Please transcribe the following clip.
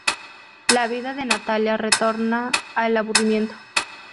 La vida de Natalia retorna al aburrimiento.